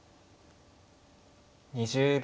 ２０秒。